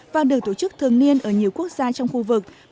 và được tổ chức thường niên ở nhiều quốc gia trong khu vực